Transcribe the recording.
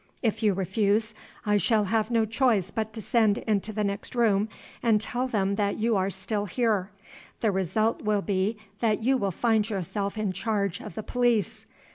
If you refuse, I shall have no choice but to send into the next room, and tell them that you are still here. The result will be that you will find yourself in charge of the police.